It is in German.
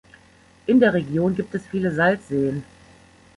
In der Region gibt es viele Salzseen.